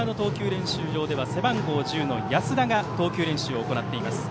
練習場では背番号１０の安田が投球練習を行っています。